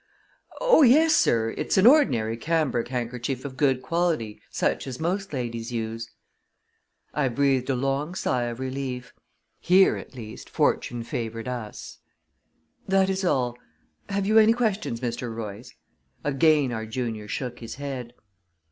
"Oh, yes, sir; it's an ordinary cambric handkerchief of good quality such as most ladies use." I breathed a long sigh of relief; here, at least, fortune favored us. "That is all. Have you any questions, Mr. Royce?" Again our junior shook his head.